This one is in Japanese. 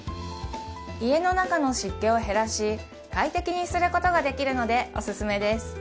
家の中の湿気を減らし快適にすることができるのでオススメです